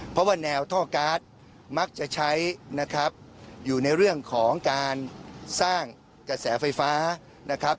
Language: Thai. เพราะว่าแนวท่อการ์ดมักจะใช้นะครับอยู่ในเรื่องของการสร้างกระแสไฟฟ้านะครับ